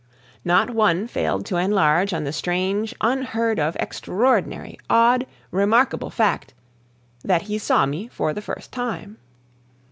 Not one failed to enlarge on the strange, unheard of, extraordinary, odd, remarkable fact that he saw me for the first time.